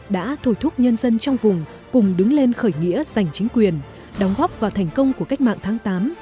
đã thổi thuốc nhân dân trong vùng cùng đứng lên khởi nghĩa giành chính quyền đóng góp vào thành công của cách mạng tháng tám